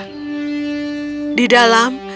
di dalam istrinya duduk di dalam